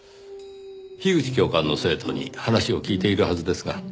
樋口教官の生徒に話を聞いているはずですが。